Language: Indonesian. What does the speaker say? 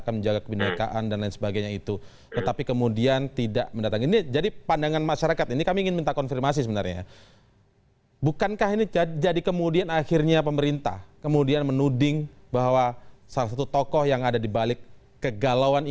kami siap untuk menerima dan siap untuk diundang